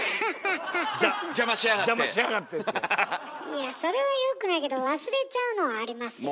いやそれはよくないけど忘れちゃうのはありますよね。